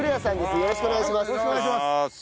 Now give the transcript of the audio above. よろしくお願いします。